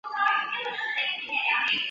胡锦鸟。